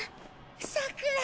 さくら。